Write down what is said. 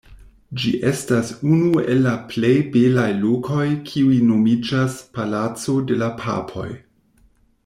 Ĝi estas unu el la plej belaj lokoj kiuj nomiĝas «Palaco de la Papoj».